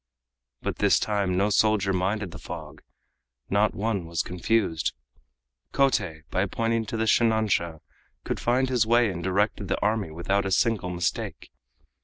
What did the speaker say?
But this time no soldier minded the fog, not one was confused. Kotei by pointing to the shinansha could find his way and directed the army without a single mistake.